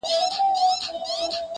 غټ بدن داسي قوي لکه زمری ؤ.